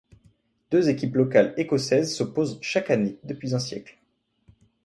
Deux équipes locales écossaises s'opposent chaque année depuis un siècle.